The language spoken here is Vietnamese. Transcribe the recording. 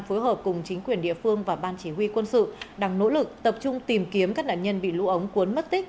phối hợp cùng chính quyền địa phương và ban chỉ huy quân sự đang nỗ lực tập trung tìm kiếm các nạn nhân bị lũ ống cuốn mất tích